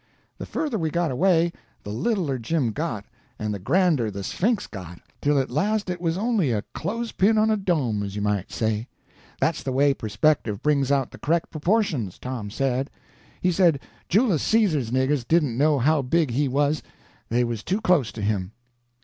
The further we got away, the littler Jim got, and the grander the Sphinx got, till at last it was only a clothespin on a dome, as you might say. That's the way perspective brings out the correct proportions, Tom said; he said Julus Cesar's niggers didn't know how big he was, they was too close to him.